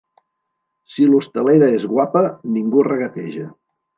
Si l'hostalera és guapa ningú regateja.